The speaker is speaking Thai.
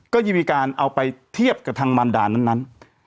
ก็จะมีการเอาไปเทียบกับทางมันดานั้น